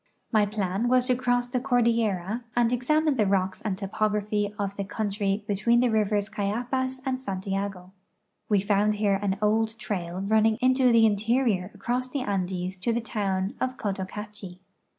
My plan was to cross the cordillera and examine the rocks and topography of the country between tlie rivers Cayapas and Santiago. We found here an old trail running into the interior across the Andes to the town of Cotocachi.